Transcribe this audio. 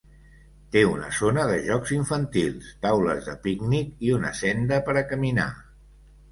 Té una zona de jocs infantils, taules de pícnic i una senda per a caminar.